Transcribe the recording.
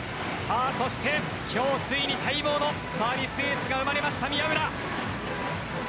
そして今日ついに待望のサービスエースが生まれた宮浦。